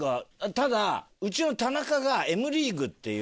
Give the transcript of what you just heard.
ただうちの田中が『Ｍリーグ』っていう。